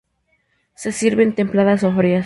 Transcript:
Se sirven templadas o frías.